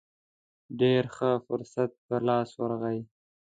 ډېر ښه فرصت په لاس ورغی.